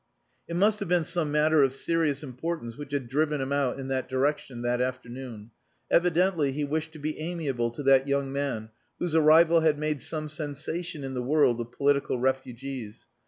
It must have been some matter of serious importance which had driven him out in that direction that afternoon. Evidently he wished to be amiable to that young man whose arrival had made some sensation in the world of political refugees.